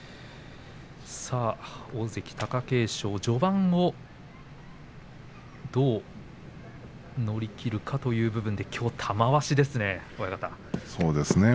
大関貴景勝の序盤をどう乗り切るかという部分できょう、玉鷲ですね。